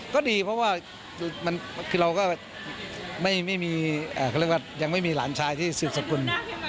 ก็ดีเพราะว่าเราก็ไม่มีหลานชายที่สุดสกุล